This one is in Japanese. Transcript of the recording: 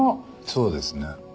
そうですね